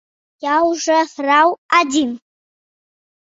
Я ўжо граў адзін.